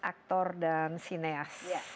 aktor dan sineas